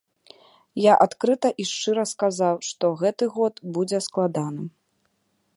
Я адкрыта і шчыра сказаў, што гэты год будзе складаным.